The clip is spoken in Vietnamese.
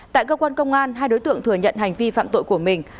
tại cơ quan công an hai đối tượng thừa nhận hành vi phạm tội của mình